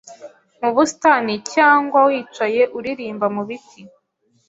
mu busitani cyangwa wicaye uririmba mu biti